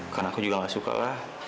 karena aku juga gak suka lah